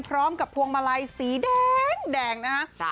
พร้อมกับพวงมาลัยสีแดงนะฮะ